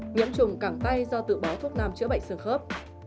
nhiễm trùng cẳng tay do tự bó thuốc nam chữa bệnh sương khớp